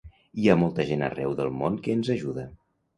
Hi ha molta gent arreu del món que ens ajuda.